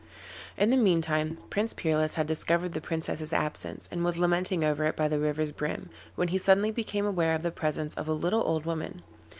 In the meantime Prince Peerless had discovered the Princess's absence, and was lamenting over it by the river's brim, when he suddenly became aware of the presence of a little old woman.